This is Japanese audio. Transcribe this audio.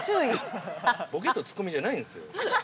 ボケとツッコミじゃないんですよ。